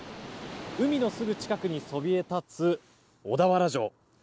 海のすぐ近くにそびえ立つ小田原城。